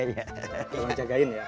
tolong jagain ya